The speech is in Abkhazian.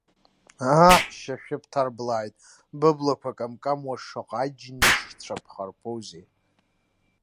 Ааҳ, шьашәы бҭарблааит, быблақәа камкамуа шаҟа аџьныш-цәа бхарԥоузеи!